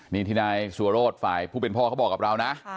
นี่ที่นายสัวโรธฝ่ายผู้เป็นพ่อเขาบอกกับเรานะ